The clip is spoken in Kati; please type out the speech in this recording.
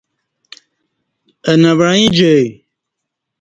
اہ نہ وعیں جائی